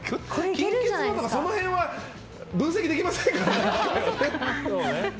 金欠とかそのへんは分析できませんからね。